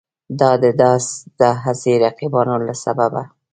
د دا هسې رقیبانو له سببه